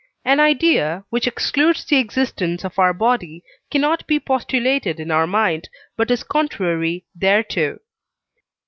An idea, which excludes the existence of our body, cannot be postulated in our mind, but is contrary thereto.